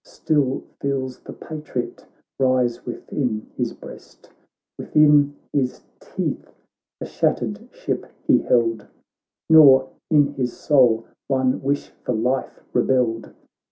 Still feels the patriot rise within his breast ; Within his teeth the shattered ship he held, Nor in his soul one wish for life rebelled.